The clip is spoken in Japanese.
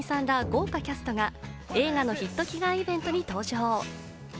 豪華キャストが、映画のヒット祈願イベントに登場。